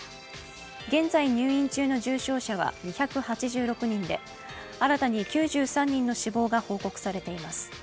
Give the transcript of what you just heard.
現在、入院中の重症者は２８６人で新たに９３人の死亡が報告されています。